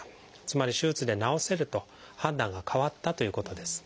つまり手術で治せると判断が変わったということです。